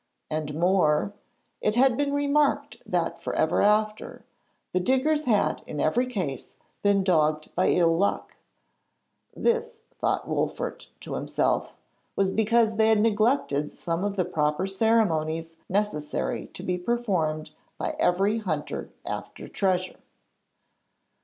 And more, it had been remarked that for ever after, the diggers had in every case been dogged by ill luck.' (This, thought Wolfert to himself, was because they had neglected some of the proper ceremonies necessary to be performed by every hunter after treasure.)